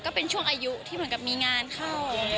ก็เป็นช่วงอายุที่เหมือนกับมีงานเข้า